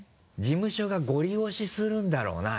事務所がごり押しするんだろう